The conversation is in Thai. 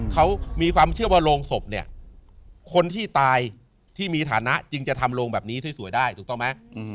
เขามีความเชื่อว่าโรงศพเนี่ยคนที่ตายที่มีฐานะจึงจะทำโรงแบบนี้สวยได้ถูกต้องไหม